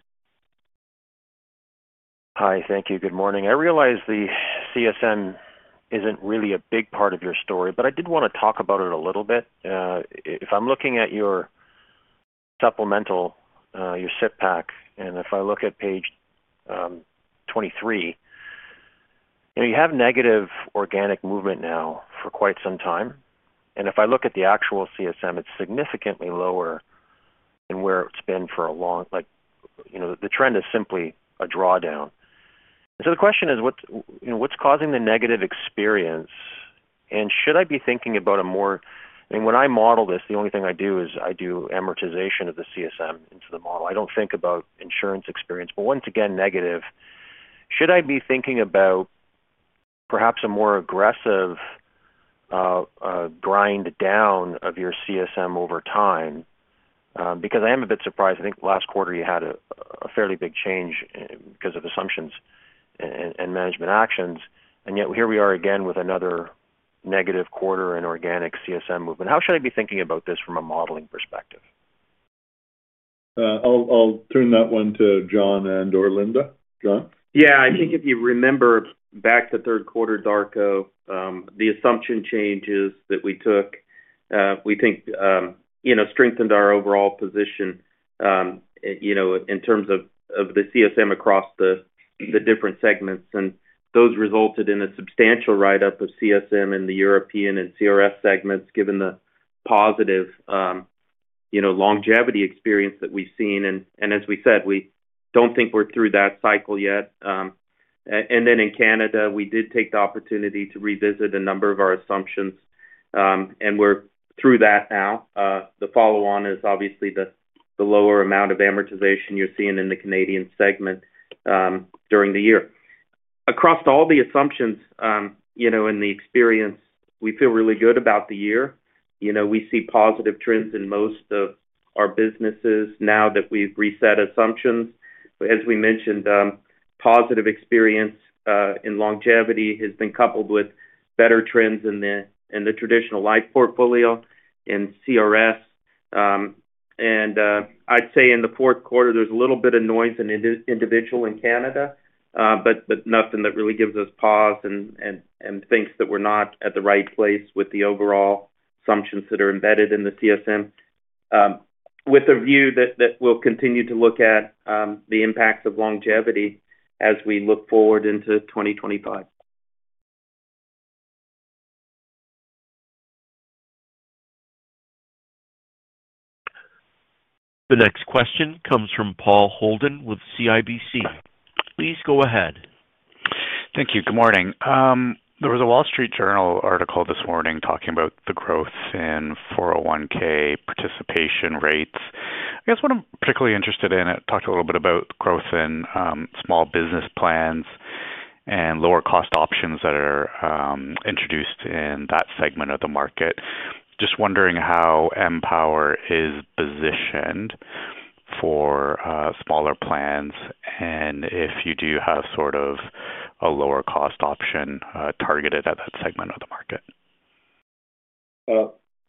Hi. Thank you. Good morning. I realize the CSM isn't really a big part of your story, but I did want to talk about it a little bit. If I'm looking at your supplemental, your SIP pack, and if I look at page 23, you have negative organic movement now for quite some time, and if I look at the actual CSM, it's significantly lower than where it's been for a long, the trend is simply a drawdown, and so the question is, what's causing the negative experience? And should I be thinking about a more, I mean, when I model this, the only thing I do is I do amortization of the CSM into the model. I don't think about insurance experience. But once again, negative. Should I be thinking about perhaps a more aggressive grind down of your CSM over time? Because I am a bit surprised. I think last quarter you had a fairly big change because of assumptions and management actions, and yet here we are again with another negative quarter in organic CSM movement. How should I be thinking about this from a modeling perspective?
I'll turn that one to Jon and/or Linda. Jon?
Yeah. I think if you remember back to third quarter, Darko, the assumption changes that we took, we think, strengthened our overall position in terms of the CSM across the different segments. And those resulted in a substantial write-up of CSM in the European and CRS segments, given the positive longevity experience that we've seen. And as we said, we don't think we're through that cycle yet. And then in Canada, we did take the opportunity to revisit a number of our assumptions. And we're through that now. The follow-on is obviously the lower amount of amortization you're seeing in the Canadian segment during the year. Across all the assumptions and the experience, we feel really good about the year. We see positive trends in most of our businesses now that we've reset assumptions. As we mentioned, positive experience in longevity has been coupled with better trends in the traditional life portfolio and CRS, and I'd say in the fourth quarter, there's a little bit of noise in Individual in Canada, but nothing that really gives us pause and thinks that we're not at the right place with the overall assumptions that are embedded in the CSM, with a view that we'll continue to look at the impacts of longevity as we look forward into 2025.
The next question comes from Paul Holden with CIBC. Please go ahead.
Thank you. Good morning. There was a Wall Street Journal article this morning talking about the growth in 401(k) participation rates. I guess what I'm particularly interested in, it talked a little bit about growth in small business plans and lower-cost options that are introduced in that segment of the market. Just wondering how Empower is positioned for smaller plans and if you do have sort of a lower-cost option targeted at that segment of the market.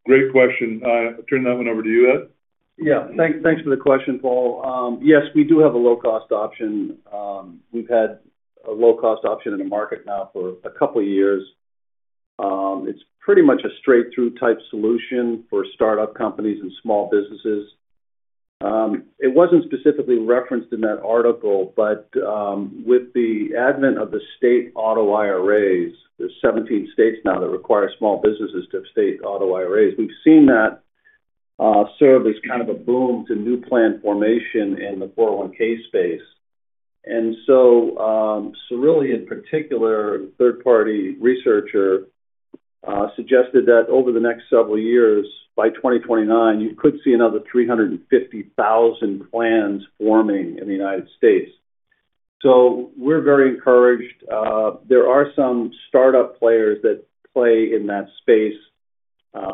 Great question. I'll turn that one over to you, Ed.
Yeah. Thanks for the question, Paul. Yes, we do have a low-cost option. We've had a low-cost option in the market now for a couple of years. It's pretty much a straight-through type solution for startup companies and small businesses. It wasn't specifically referenced in that article, but with the advent of the state auto IRAs, there's 17 states now that require small businesses to have state auto IRAs. We've seen that serve as kind of a boom to new plan formation in the 401(k) space. And so really, in particular, a third-party researcher, suggested that over the next several years, by 2029, you could see another 350,000 plans forming in the United States. So we're very encouraged. There are some startup players that play in that space,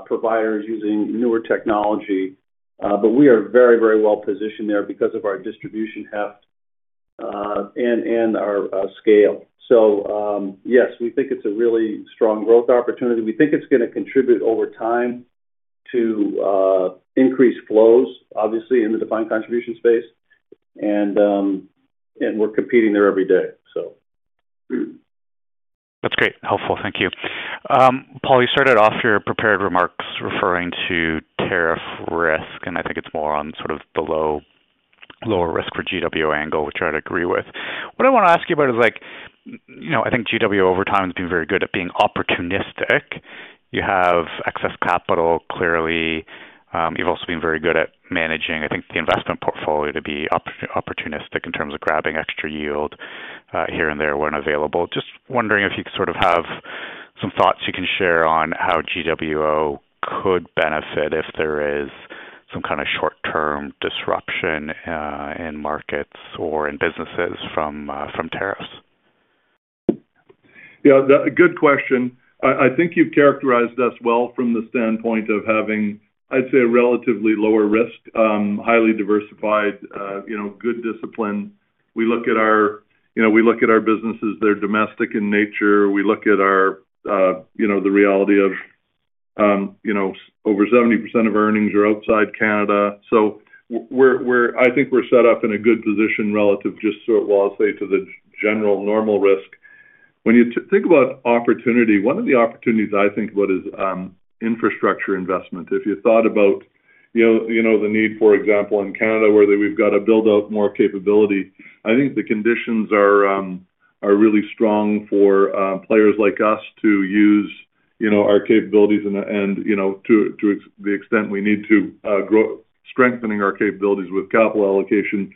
providers using newer technology, but we are very, very well positioned there because of our distribution heft and our scale. So yes, we think it's a really strong growth opportunity. We think it's going to contribute over time to increased flows, obviously, in the defined contribution space. And we're competing there every day, so.
That's great. Helpful. Thank you. Paul, you started off your prepared remarks referring to tariff risk, and I think it's more on sort of the lower risk for GW angle, which I'd agree with. What I want to ask you about is, I think GW over time has been very good at being opportunistic. You have excess capital, clearly. You've also been very good at managing, I think, the investment portfolio to be opportunistic in terms of grabbing extra yield here and there when available. Just wondering if you could sort of have some thoughts you can share on how GWO could benefit if there is some kind of short-term disruption in markets or in businesses from tariffs.
Yeah. Good question. I think you've characterized us well from the standpoint of having, I'd say, a relatively lower risk, highly diversified, good discipline. We look at our businesses. They're domestic in nature. We look at the reality of over 70% of our earnings are outside Canada. So I think we're set up in a good position relative just to, I'll say, to the general normal risk. When you think about opportunity, one of the opportunities I think about is infrastructure investment. If you thought about the need, for example, in Canada where we've got to build up more capability, I think the conditions are really strong for players like us to use our capabilities and to the extent we need to, strengthening our capabilities with capital allocation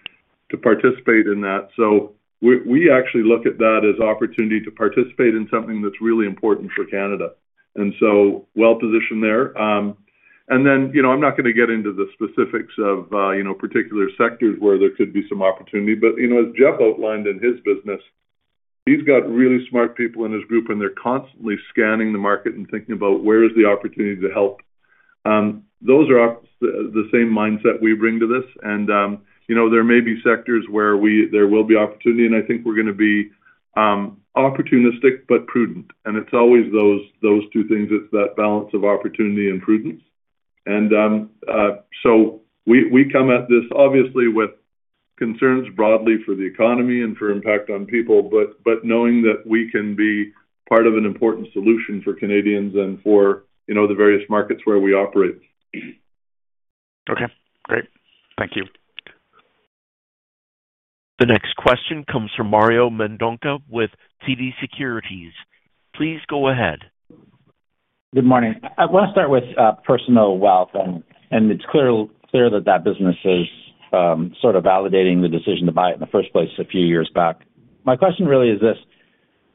to participate in that. So we actually look at that as opportunity to participate in something that's really important for Canada. And so well positioned there. And then I'm not going to get into the specifics of particular sectors where there could be some opportunity. But as Jeff outlined in his business, he's got really smart people in his group, and they're constantly scanning the market and thinking about where is the opportunity to help. Those are the same mindset we bring to this. And there may be sectors where there will be opportunity, and I think we're going to be opportunistic but prudent. And it's always those two things. It's that balance of opportunity and prudence. And so we come at this, obviously, with concerns broadly for the economy and for impact on people, but knowing that we can be part of an important solution for Canadians and for the various markets where we operate.
Okay. Great. Thank you.
The next question comes from Mario Mendonca with TD Securities. Please go ahead.
Good morning. I want to start with Personal Wealth. And it's clear that that business is sort of validating the decision to buy it in the first place a few years back. My question really is this.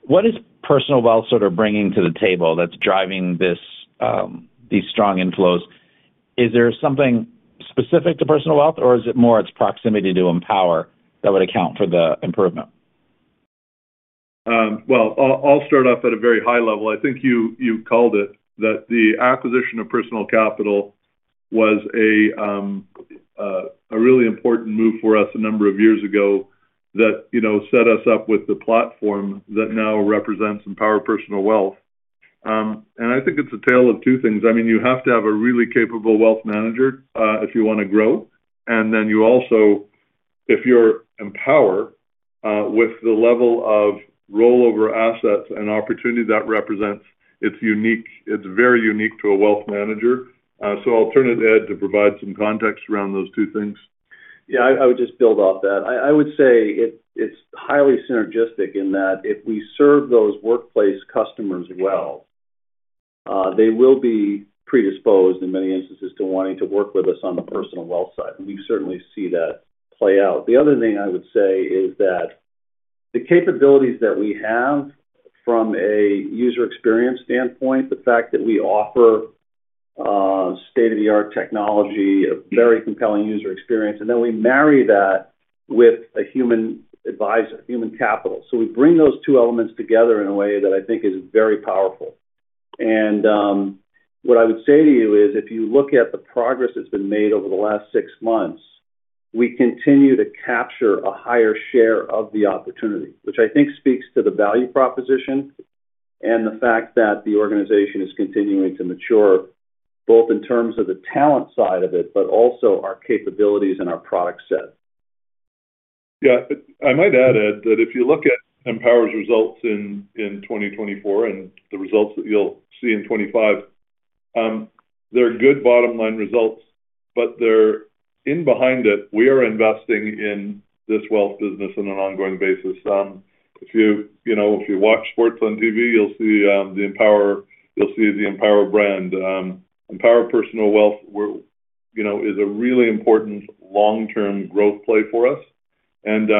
What is Personal Wealth sort of bringing to the table that's driving these strong inflows? Is there something specific to Personal Wealth, or is it more its proximity to Empower that would account for the improvement?
I'll start off at a very high level. I think you called it that the acquisition of Personal Capital was a really important move for us a number of years ago that set us up with the platform that now represents Empower Personal Wealth. And I think it's a tale of two things. I mean, you have to have a really capable wealth manager if you want to grow. And then you also, if you're Empower with the level of rollover assets and opportunity that represents, it's very unique to a wealth manager. So I'll turn it to Ed to provide some context around those two things.
Yeah. I would just build off that. I would say it's highly synergistic in that if we serve those workplace customers well, they will be predisposed in many instances to wanting to work with us on the Personal Wealth side. And we certainly see that play out. The other thing I would say is that the capabilities that we have from a user experience standpoint, the fact that we offer state-of-the-art technology, a very compelling user experience, and then we marry that with a human advisor, human capital. So we bring those two elements together in a way that I think is very powerful. What I would say to you is if you look at the progress that's been made over the last six months, we continue to capture a higher share of the opportunity, which I think speaks to the value proposition and the fact that the organization is continuing to mature both in terms of the talent side of it, but also our capabilities and our product set.
Yeah. I might add, Ed, that if you look at Empower's results in 2024 and the results that you'll see in 2025, they're good bottom-line results, but in behind it, we are investing in this wealth business on an ongoing basis. If you watch sports on TV, you'll see the Empower brand. Empower Personal Wealth is a really important long-term growth play for us. And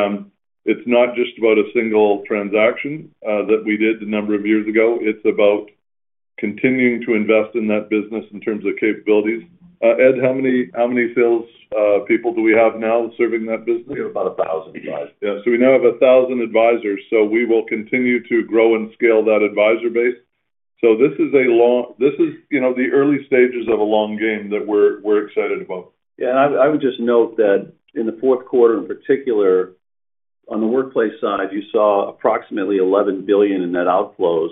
it's not just about a single transaction that we did a number of years ago. It's about continuing to invest in that business in terms of capabilities. Ed, how many salespeople do we have now serving that business?
We have about 1,000, advisors.
Yeah, so we now have 1,000 advisors, so we will continue to grow and scale that advisor base, so this is the early stages of a long game that we're excited about.
Yeah. And I would just note that in the fourth quarter in particular, on the workplace side, you saw approximately 11 billion in net outflows.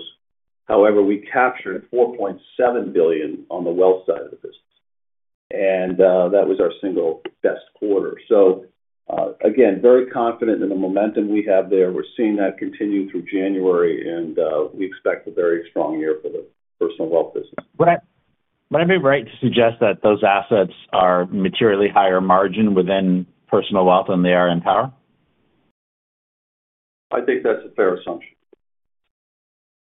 However, we captured 4.7 billion on the Wealth side of the business. And that was our single best quarter. So again, very confident in the momentum we have there. We're seeing that continue through January, and we expect a very strong year for the Personal Wealth business.
Would I be right to suggest that those assets are materially higher margin within Personal Wealth than they are Empower?
I think that's a fair assumption.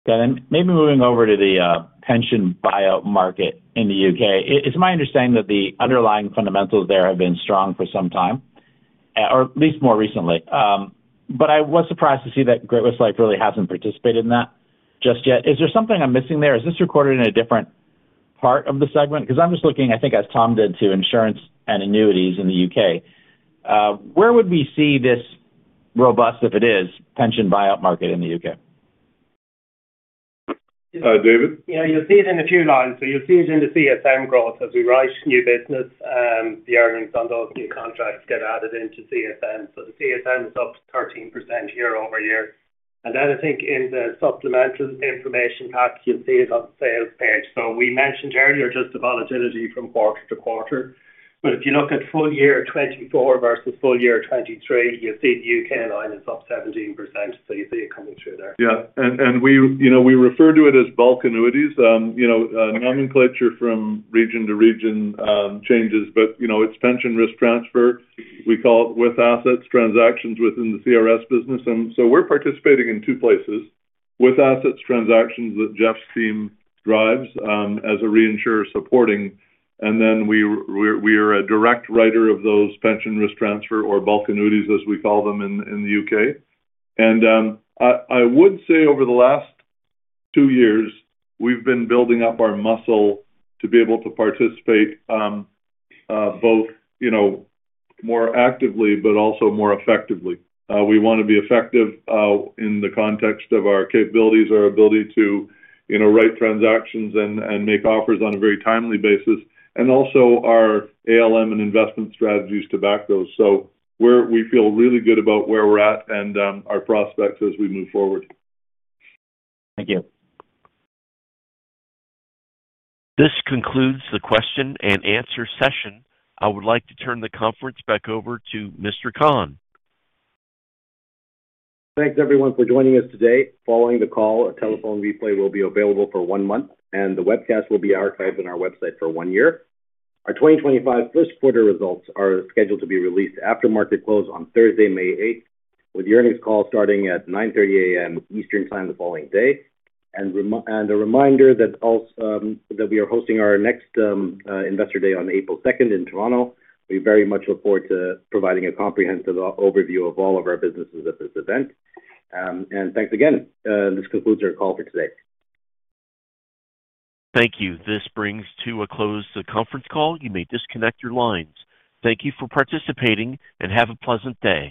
Okay. And maybe moving over to the pension buyout market in the U.K., it's my understanding that the underlying fundamentals there have been strong for some time, or at least more recently. But I was surprised to see that Great-West Lifeco really hasn't participated in that just yet. Is there something I'm missing there? Is this recorded in a different part of the segment? Because I'm just looking, I think, as Tom did, to insurance and annuities in the U.K. Where would we see this robust, if it is, pension buyout market in the U.K.?
David?
Yeah. You'll see it in a few lines. So you'll see it in the CSM growth as we write new business. The earnings on those new contracts get added into CSM. So the CSM is up 13% year-over-year. And then I think in the supplemental information pack, you'll see it on the sales page. So we mentioned earlier just the volatility from quarter-to-quarter. But if you look at full year 2024 versus full year 2023, you'll see the U.K. line is up 17%. So you see it coming through there.
Yeah. And we refer to it as bulk annuities. Nomenclature from region to region changes, but it's pension risk transfer. We call it with assets transactions within the CRS business. And so we're participating in two places: with assets transactions that Jeff's team drives as a reinsurer supporting. And then we are a direct writer of those pension risk transfer, or bulk annuities, as we call them in the U.K. And I would say over the last two years, we've been building up our muscle to be able to participate both more actively but also more effectively. We want to be effective in the context of our capabilities, our ability to write transactions and make offers on a very timely basis, and also our ALM and investment strategies to back those. So we feel really good about where we're at and our prospects as we move forward.
Thank you.
This concludes the question and answer session. I would like to turn the conference back over to Mr. Khan.
Thanks, everyone, for joining us today. Following the call, a telephone replay will be available for one month, and the webcast will be archived on our website for one year. Our 2025 first-quarter results are scheduled to be released after market close on Thursday, May 8th, with the earnings call starting at 9:30 A.M. Eastern Time the following day. And a reminder that we are hosting our next Investor Day on April 2nd in Toronto. We very much look forward to providing a comprehensive overview of all of our businesses at this event. And thanks again. This concludes our call for today.
Thank you. This brings to a close the conference call. You may disconnect your lines. Thank you for participating, and have a pleasant day.